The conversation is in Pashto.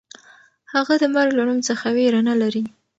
هغه د مرګ له نوم څخه وېره نه لري.